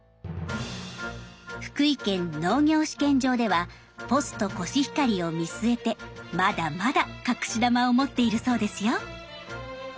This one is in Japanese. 福井県農業試験場ではポストコシヒカリを見据えてまだまだ隠し玉を持っているそうですよ。